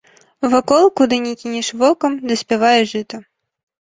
Вакол, куды ні кінеш вокам, даспявае жыта.